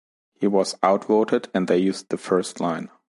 He was outvoted and they used the first line.